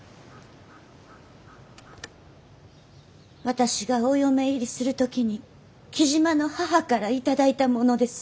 私がお嫁入りする時に雉真の母から頂いたものです。